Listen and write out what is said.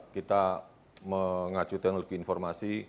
kita mengacu teknologi informasi